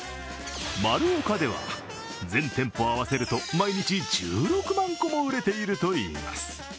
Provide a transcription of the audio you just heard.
丸岡では、全店舗合わせると、毎日１６万個も売れているといいます。